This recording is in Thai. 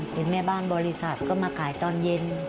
เห็นแม่บ้านบริษัทก็มาขายตอนเย็น